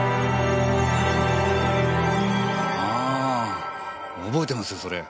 あぁ覚えてますそれ。